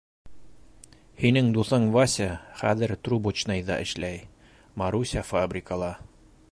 — Һинең дуҫың Вася хәҙер Трубочныйҙа эшләй, Маруся фабрикала.